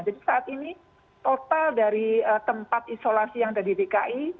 jadi saat ini total dari tempat isolasi yang ada di dki